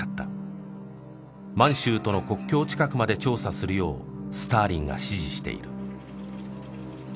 満州との国境近くまで調査するようスターリンが指示している。